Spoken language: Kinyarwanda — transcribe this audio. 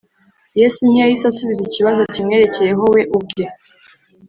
Yesu ntiyahise asubiza ikibazo kimwerekeyeho we ubwe